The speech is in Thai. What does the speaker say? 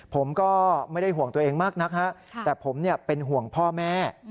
ผมก็ไม่ได้ห่วงตัวเองมากนักฮะแต่ผมเป็นห่วงพ่อแม่